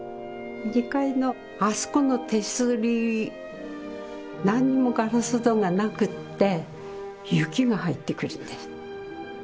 ２階のあそこの手すり何にもガラス戸がなくって雪が入ってくるんです。